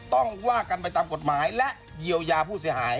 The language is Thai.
ว่ากันไปตามกฎหมายและเยียวยาผู้เสียหาย